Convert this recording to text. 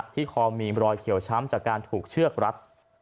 ที่คอมีรอยเขียวช้ำจากการถูกเชือกรัด